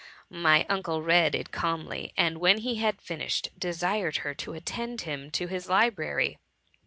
My uncle read it calmly, and when he had finished desired her to attend him to his library.